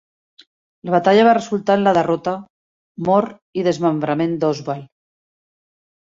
La batalla va resultar en la derrota, mort i desmembrament d'Osvald.